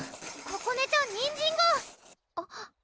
ここねちゃんにんじんが！